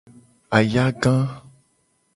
Ayaga.